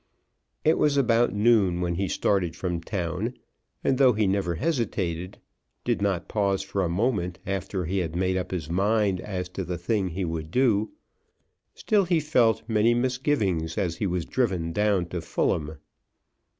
It was about noon when he started from town; and though he never hesitated, did not pause for a moment after he had made up his mind as to the thing that he would do, still he felt many misgivings as he was driven down to Fulham.